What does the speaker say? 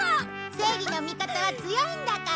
正義の味方は強いんだから。